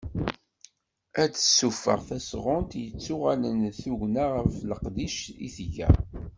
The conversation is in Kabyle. Ad d-tessufeɣ tasɣunt i yettuɣalen d tugna ɣef leqdic i tga.